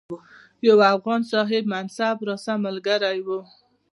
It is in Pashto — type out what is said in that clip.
یو افغان صاحب منصب راسره ملګری وو.